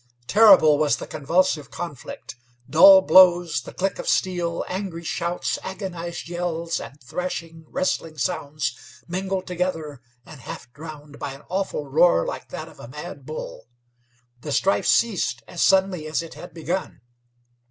Terrible was the convulsive conflict. Dull blows, the click of steel, angry shouts, agonized yells, and thrashing, wrestling sounds mingled together and half drowned by an awful roar like that of a mad bull. The strife ceased as suddenly as it had begun.